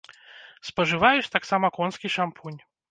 Спажываюць таксама конскі шампунь.